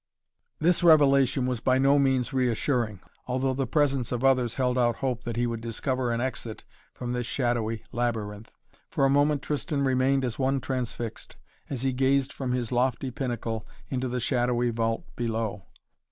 This revelation was by no means reassuring, although the presence of others held out hope that he would discover an exit from this shadowy labyrinth. For a moment Tristan remained as one transfixed, as he gazed from his lofty pinnacle into the shadowy vault below.